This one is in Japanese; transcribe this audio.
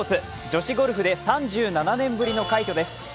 女子ゴルフで３７年ぶりの快挙です。